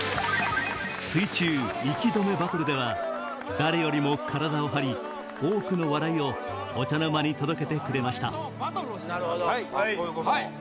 水中息止めバトルでは誰よりも体を張り多くの笑いをお茶の間に届けてくれました